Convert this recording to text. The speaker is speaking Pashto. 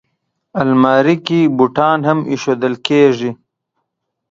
الماري کې بوټان هم ایښودل کېږي